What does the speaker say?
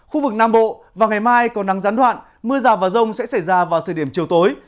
khu vực nam bộ và ngày mai có nắng gián đoạn mưa rào và rông sẽ xảy ra vào thời điểm chiều tối